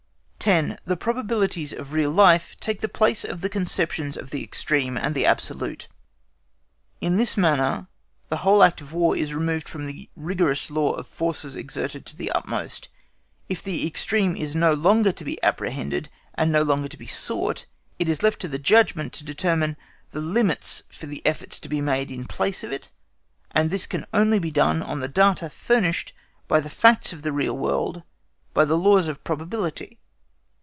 10. THE PROBABILITIES OF REAL LIFE TAKE THE PLACE OF THE CONCEPTIONS OF THE EXTREME AND THE ABSOLUTE. In this manner, the whole act of War is removed from the rigorous law of forces exerted to the utmost. If the extreme is no longer to be apprehended, and no longer to be sought for, it is left to the judgment to determine the limits for the efforts to be made in place of it, and this can only be done on the data furnished by the facts of the real world by the LAWS OF PROBABILITY.